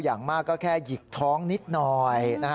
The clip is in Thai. อย่างมากก็แค่หยิกท้องนิดหน่อย